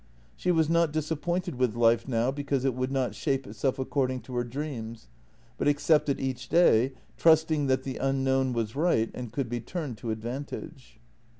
She was not dis appointed with life now because it would not shape itself ac cording to her dreams, but accepted each day, trusting that the unknown was right and could be turned to advantage.